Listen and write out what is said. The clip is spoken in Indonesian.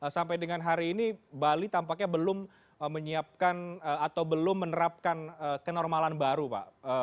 sampai dengan hari ini bali tampaknya belum menerapkan kenormalan baru pak